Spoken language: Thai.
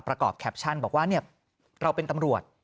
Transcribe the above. ประกอบแคปชั่นบอกว่าเราเป็นตำรวจ